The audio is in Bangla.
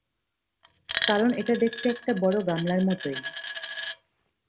কারণ এটা দেখতে একটা বড় গামলার মতই।